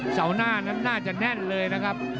เสาหน้านั้นน่าจะแน่นเลยนะครับ